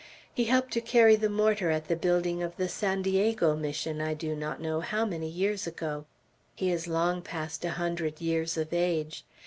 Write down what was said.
He helped to carry the mortar at the building of the San Diego Mission, I do not know how many years ago. He is long past a hundred years of age.